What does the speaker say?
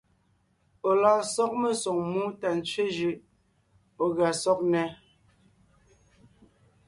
Ɔ̀ lɔɔn sɔg mesoŋ mú tà ntsẅé jʉʼ ɔ̀ gʉa sɔg nnɛ́.